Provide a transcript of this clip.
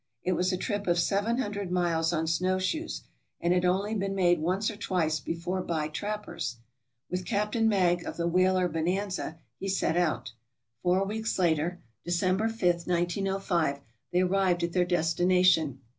It was a trip of seven hundred miles on snowshoes, and had only been made once or twice before by trappers. With Captain Magg of the whaler "Bonanza," he set out. Four weeks later (December 5, 1905) they arrived at their destination.